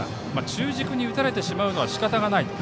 中軸に打たれてしまうのはしかたがないと。